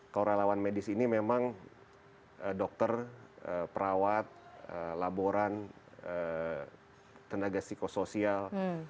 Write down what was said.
kalau relawan medis ini memang dokter perawat laboran tenaga psikosoial